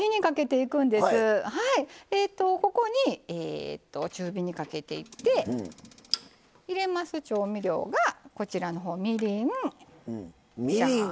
ここに中火にかけていって入れます調味料が、みりん。